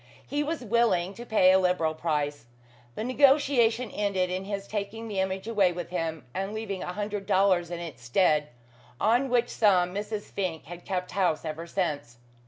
He was willing to pay a liberal price. The negotiation ended in his taking the image away with him, and leaving a hundred dollars in its stead; on which sum Mrs. Fink had kept house ever since.